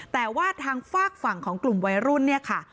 แต่ว่าทางฝากฝั่งของกลุ่มวัยรุ่นเนี่ยค่ะ